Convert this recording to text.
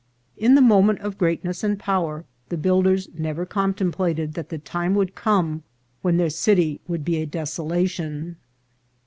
In the moment of greatness and power, the builders never contemplated that the time would come when their city would be a desolation.